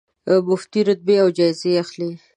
مفتې رتبې او جایزې اخلي.